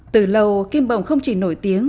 từ lâu kim bồng không chỉ nổi tiếng